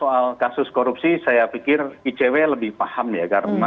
ya kalau soal kasus korupsi saya pikir icw lebih paham ya karena